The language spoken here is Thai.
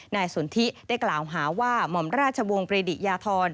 นายสนทิได้กล่าวหาว่าหม่อมราชวงศ์ปรีดิยทรเทว